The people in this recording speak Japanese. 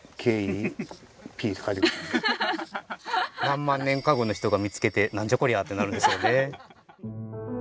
何万年か後の人が見つけて「何じゃこりゃ」ってなるんでしょうね。